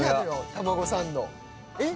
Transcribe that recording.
玉子サンドえっ